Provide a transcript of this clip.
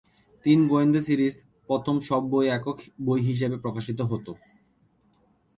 তিন গোয়েন্দা সিরিজ প্রথমে সব বই একক বই হিসেবে প্রকাশিত হত।